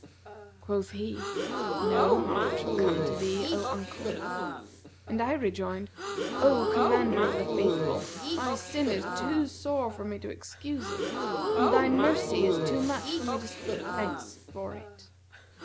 Quoth he, 'No harm shall come to thee, O uncle;' and I rejoined, 'O Commander of the Faithful, my sin is too sore for me to excuse it and thy mercy is too much for me to speak thanks for it.'